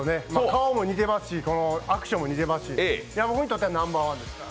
顔も似てますし、アクションも似てますし、僕にとってはナンバーワンですから。